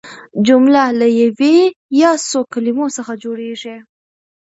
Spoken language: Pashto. جمله له یوې یا څو کلیمو څخه جوړیږي.